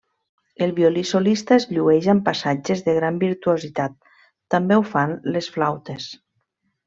El violí solista es llueix amb passatges de gran virtuositat, també ho fan les flautes.